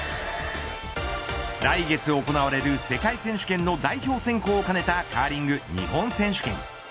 来月行われる世界選手権の代表選考をかねたカーリング日本選手権。